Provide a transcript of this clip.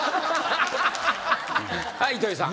はい糸井さん。